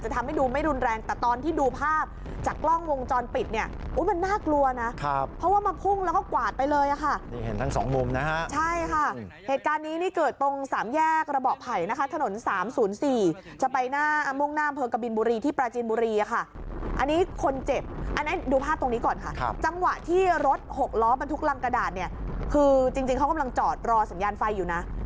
ที่รถหกล้อมันทุกลังกระดาษเนี่ยคือจริงจริงเขากำลังจอดรอสัญญาณไฟอยู่นะ